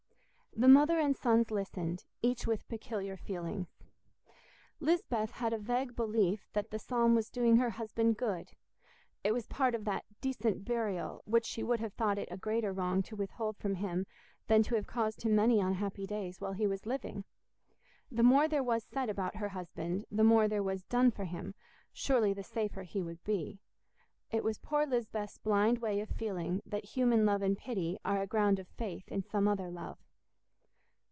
The mother and sons listened, each with peculiar feelings. Lisbeth had a vague belief that the psalm was doing her husband good; it was part of that decent burial which she would have thought it a greater wrong to withhold from him than to have caused him many unhappy days while he was living. The more there was said about her husband, the more there was done for him, surely the safer he would be. It was poor Lisbeth's blind way of feeling that human love and pity are a ground of faith in some other love.